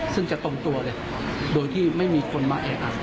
ซึ่งจะตรงตัวเลยโดยที่ไม่มีคนมาแออัด